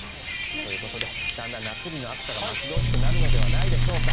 ということでだんだん夏日の暑さが待ち遠しくなるのではないでしょうか。